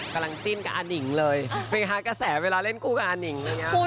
กำลังจิ้นกับอานิงเลยเป็นค่ากระแสเวลาเล่นกูกับอานิงนะ